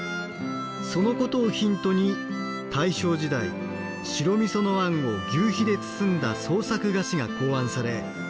そのことをヒントに大正時代白みそのあんを求肥で包んだ創作菓子が考案され